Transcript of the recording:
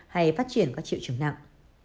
hay phát triển các triệu chứng nặng